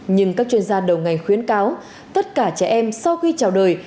nhưng các chuyên gia đầu ngành khuyến cáo tất cả trẻ em sau khi trào đời